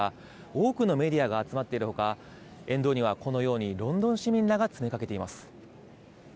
多くのメディアが集まっているほか、沿道にはロンドン市民らが詰めかけています。